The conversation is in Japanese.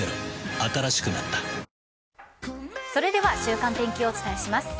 新しくなったそれでは週間天気をお伝えします。